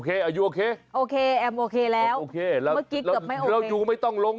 ขึ้น